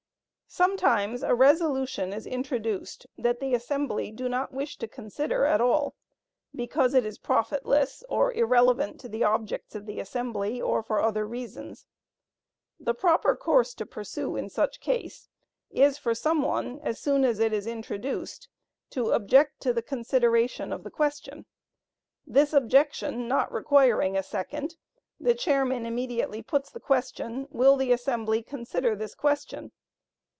Sometimes a resolution is introduced that the assembly do not wish to consider at all, because it is profitless, or irrelevant to the objects of the assembly, or for other reasons. The proper course to pursue in such case, is for some one, as soon as it is introduced, to "object to the consideration of the question." This objection not requiring a second, the chairman immediately puts the question, "Will the assembly consider this question?"